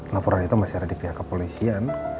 laporan itu masih ada di pihak kepolisian